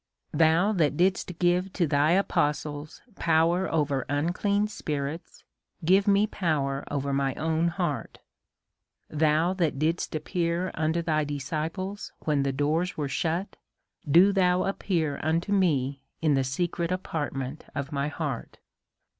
Thou that didst give to thy apostles power over unclean spirits, give me poAver over mine own heart. Thou that didst appear unto thy disciples when the doors were shut^ do thou appear to me in the secret apartments of my heart.